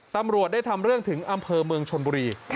ตำรวจได้ทำเรื่องถึงอำเภอเมืองชนบุรี